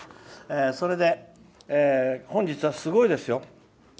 それで本日はすごいですよ。